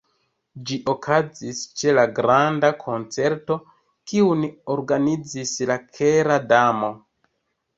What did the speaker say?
Ĝi okazis ĉe la granda koncerto kiun organizis la Kera Damo.